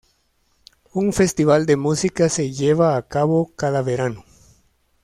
Un festival de música se lleva a cabo cada verano.